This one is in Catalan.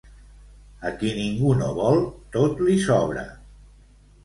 A qui ningú no vol, tot li sobra.